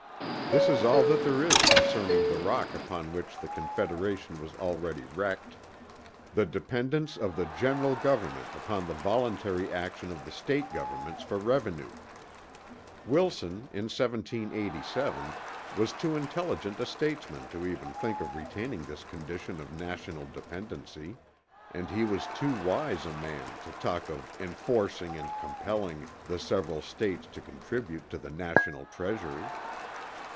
This is all that there is concerning the rock upon which the Confederation was already wrecked the dependence of the general government upon the voluntary action of the State governments for revenue. Wilson in 1787 was too intelligent a statesman to even think of retaining this condition of national dependency, and he was too wise a man to talk of "enforcing and compelling" the several States to contribute to the national treasury.